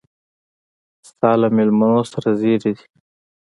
ستا له مېلمنو سره زېري دي.